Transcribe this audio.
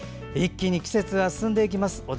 一気に季節は進んでいきます。